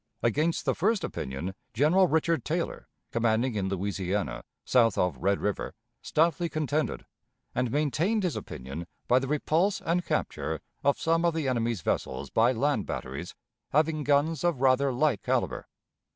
Against the first opinion General Richard Taylor, commanding in Louisiana, south of Red River, stoutly contended, and maintained his opinion by the repulse and capture of some of the enemy's vessels by land batteries having guns of rather light caliber.